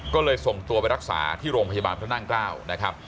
ก็เลยส่งตัวไปรักษาที่โรงพยาบาลพระนั่งเกล้านะครับ